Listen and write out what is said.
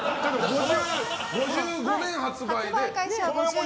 ５５年発売で。